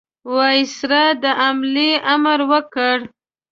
وایسرا د حملې امر ورکړ.